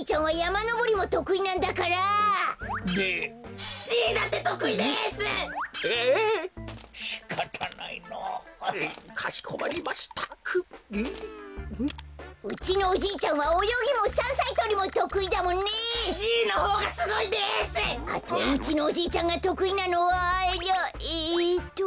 あとうちのおじいちゃんがとくいなのはえっと。